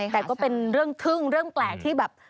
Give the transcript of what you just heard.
แต่ก็เป็นเรื่องทึ่งเรื่องแปลกที่แบบ